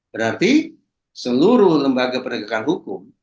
berarti seluruh lembaga penegakan hukum